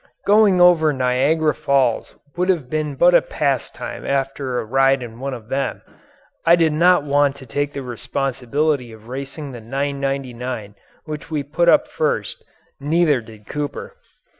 Going over Niagara Falls would have been but a pastime after a ride in one of them. I did not want to take the responsibility of racing the "999" which we put up first, neither did Cooper.